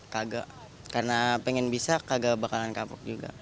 kagak karena pengen bisa kagak bakalan kapok juga